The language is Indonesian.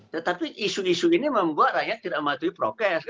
tetapi isu isu ini membuat rakyat tidak mematuhi prokes